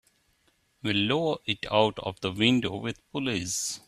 We'll lower it out of the window with pulleys.